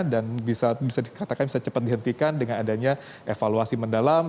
dan bisa dikatakan bisa cepat dihentikan dengan adanya evaluasi mendalam